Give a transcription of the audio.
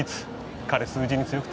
彼数字に強くて。